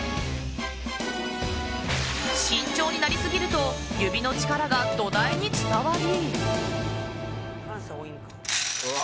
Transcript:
慎重になりすぎると指の力が土台に伝わり。